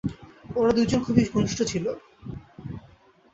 ওরা দুইজন খুবই ঘনিষ্ট ছিল।